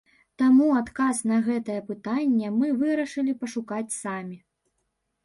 Таму адказ на гэтае пытанне мы вырашылі пашукаць самі.